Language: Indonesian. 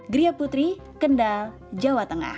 gria putri kendal jawa tengah